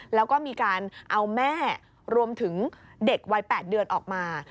แล้วก็มีการเอาแม่รวมถึงเด็กวัย๘เดือนออกมา